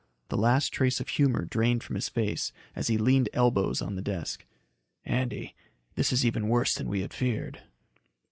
The last trace of humor drained from his face as he leaned elbows on the desk. "Andy, this is even worse than we had feared."